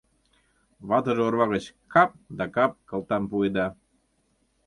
Ватыже орва гыч кап да кап кылтам пуэда.